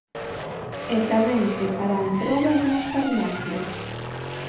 E tamén se farán probas nas farmacias.